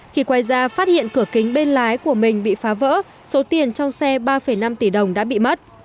khi quay ra phát hiện cửa kính bên lái của mình bị phá vỡ số tiền trong xe ba năm tỷ đồng đã bị mất